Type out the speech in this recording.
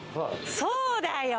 そうだよ。